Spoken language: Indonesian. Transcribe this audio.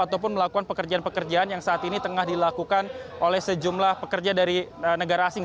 ataupun melakukan pekerjaan pekerjaan yang saat ini tengah dilakukan oleh sejumlah pekerja dari negara asing